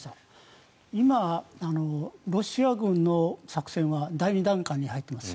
今、ロシア軍の作戦は第２段階に入っています。